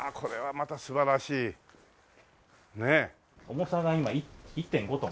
重さが今１．５トン。